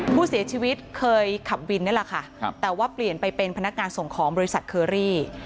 ผู้เสียชีวิตเคยขับวินนี่แหละค่ะแต่ว่าเปลี่ยนไปเป็นพนักงานส่งของบริษัทเคอรี่